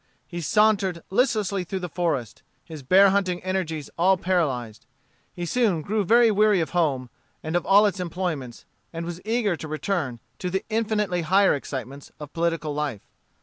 He sauntered listlessly through the forest, his bear hunting energies all paralyzed. He soon grew very weary of home and of all its employments, and was eager to return to the infinitely higher excitements of political life.